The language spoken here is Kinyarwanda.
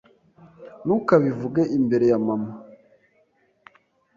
Ntukabivuge imbere ya mama.